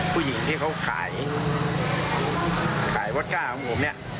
ผู้หญิงที่เขาขายขายว็อกก้าของผมเนี่ย